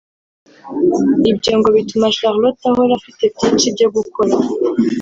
Ibyo ngo bituma Charlotte ahora afite byinshi byo gukora